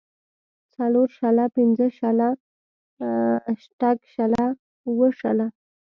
څلور شله پنځۀ شله شټږ شله اووه شله